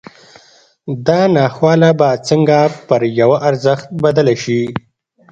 دا ناخواله به څنګه پر یوه ارزښت بدله شي